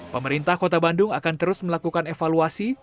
pemerintah kota bandung akan terus melakukan evaluasi